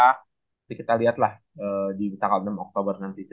nanti kita liat lah di tanggal enam oktober nanti